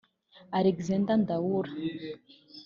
Alexander Ndaula